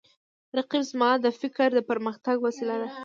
رقیب زما د فکر د پرمختګ وسیله ده